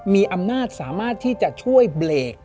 มีอำนาจสามารถที่จะช่วยเบรก